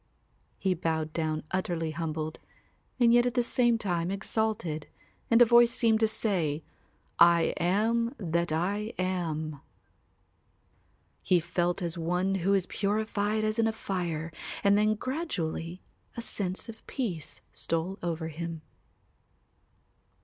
He bowed down utterly humbled and yet at the same time exalted and a voice seemed to say, "I am that I am." He felt as one who is purified as in a fire and then gradually a sense of peace stole over him.